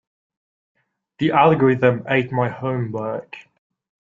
The algorithm ate my homework.